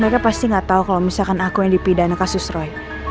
mereka pasti gak tau kalo misalkan aku yang dipidahin kasus roy